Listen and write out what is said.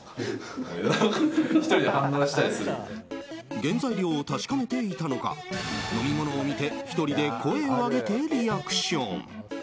原材料を確かめていたのか飲み物を見て１人で声を上げてリアクション。